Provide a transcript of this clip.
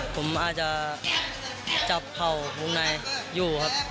ผมอาจจะจับเข่าวงในอยู่ครับ